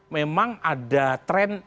memang ada tren